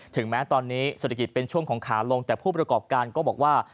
ถึงแม้ตอนนี้เศรษฐกิจเป็นช่วงของขาลงแต่ผู้ประกอบการก็บอกว่า